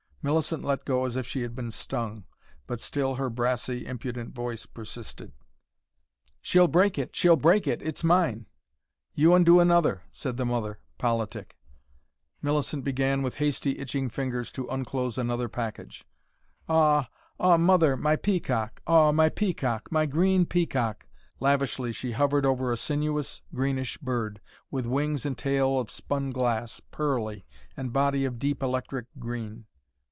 Millicent let go as if she had been stung, but still her brassy, impudent voice persisted: "She'll break it. She'll break it. It's mine " "You undo another," said the mother, politic. Millicent began with hasty, itching fingers to unclose another package. "Aw aw Mother, my peacock aw, my peacock, my green peacock!" Lavishly she hovered over a sinuous greenish bird, with wings and tail of spun glass, pearly, and body of deep electric green.